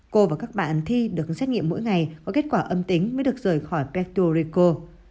cô và các bạn thi được xét nghiệm mỗi ngày có kết quả âm tính mới được rời khỏi pertureco